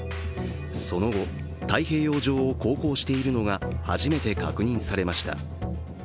その後、太平洋上を航行しているのが初めて確認されました。